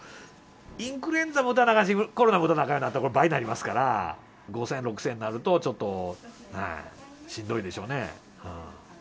インフルエンザも打たなあかんし、コロナも打たなあかんようになったら倍になりますから、５０００円、６０００円になると、ちょっとしんどいんでしょうね。